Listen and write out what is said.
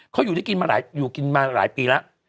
เขาอยู่กินมาหลายปีละ